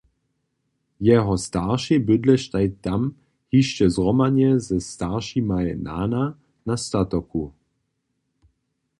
Jeho staršej bydleštaj tam hišće zhromadnje ze staršimaj nana na statoku.